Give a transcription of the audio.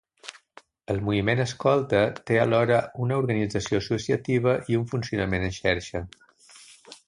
El moviment escolta té alhora una organització associativa i un funcionament en xarxa.